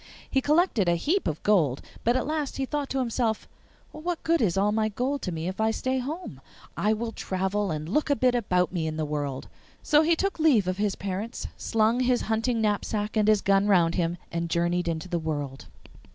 He collected a heap of gold, but at last he thought to himself, 'What good is all my gold to me if I stay at home? I will travel and look a bit about me in the world.' So he took leave of his parents, slung his hunting knapsack and his gun round him, and journeyed into the world.